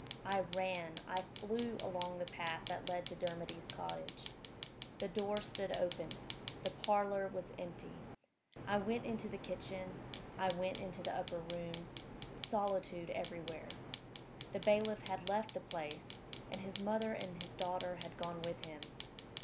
I ran, I flew, along the path that led to Dermody's cottage. The door stood open; the parlor was empty. I went into the kitchen; I went into the upper rooms. Solitude everywhere. The bailiff had left the place; and his mother and his daughter had gone with him.